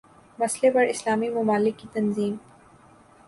مسئلے پر اسلامی ممالک کی تنظیم